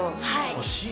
惜しい。